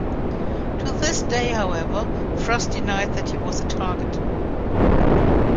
To this day, however, Frost denies that he was the target.